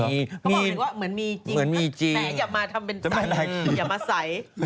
เขาบอกเลยว่าเหมือนมีจริงแต่อย่ามาทำเป็นตังค์อย่ามาใส